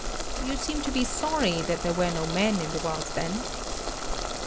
You seem to be sorry that there were no men in the world then.